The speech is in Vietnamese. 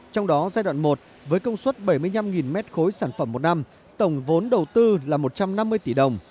trong đó giai đoạn một với công suất bảy mươi năm m ba sản phẩm một năm tổng vốn đầu tư là một trăm năm mươi tỷ đồng